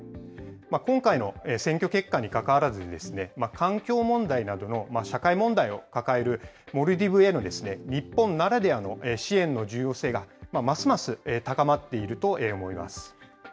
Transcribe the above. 今回の選挙結果にかかわらず、環境問題などの社会問題を抱えるモルディブへの日本ならではの支援の重要性がますます高まっていると思います。